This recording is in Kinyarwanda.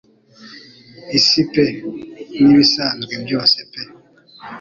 Isi pe n'ibisanzwe byose pe